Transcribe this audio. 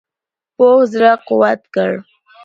پوځ زړه قوت کړ.